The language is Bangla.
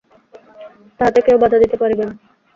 তাহাতে কেহ বাধা দিতে পারিবে না।